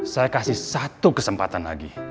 saya kasih satu kesempatan lagi